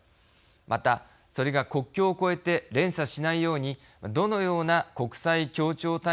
またそれが国境を越えて連鎖しないようにどのような国際協調体制を取っていくのか。